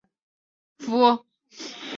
百年厅位于现波兰弗罗茨瓦夫。